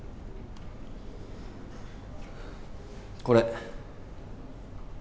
これ。